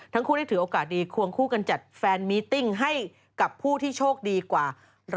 ทั้งคู่ได้ถือโอกาสดีควงคู่กันจัดแฟนมิติ้งให้กับผู้ที่โชคดีกว่า